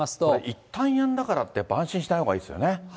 いったんやんだからって、安心しないほうがいいですよね。